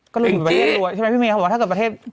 ก็ถือเมียเขาบอกว่าท่าเกิดประเทศ